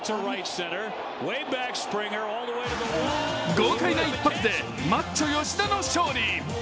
豪快な１発でマッチョ吉田の勝利。